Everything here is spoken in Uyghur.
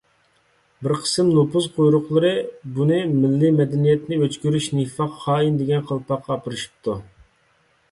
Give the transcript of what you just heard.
بىر قىسىم نوپۇز قۇيرۇقلىرى بۇنى مىللىي مەدەنىيەتنى ئۆچ كۆرۈش، نىفاق، خائىن دېگەن قالپاققا ئاپىرىشىپتۇ.